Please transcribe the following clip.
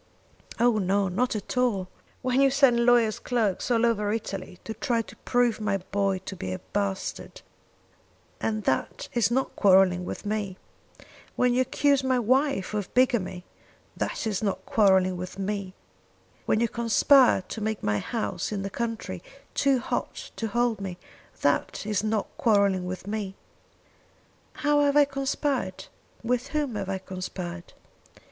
"Oh no; not at all! When you send lawyer's clerks all over Italy to try to prove my boy to be a bastard, and that is not quarrelling with me! When you accuse my wife of bigamy that is not quarrelling with me! When you conspire to make my house in the country too hot to hold me, that is not quarrelling with me!" "How have I conspired? with whom have I conspired?"